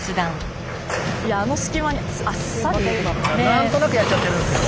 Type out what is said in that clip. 何となくやっちゃってるんですけど。